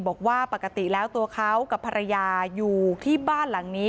บอกว่าปกติแล้วตัวเขากับภรรยาอยู่ที่บ้านหลังนี้